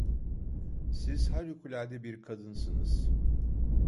Siz harikulade bir kadınsınız!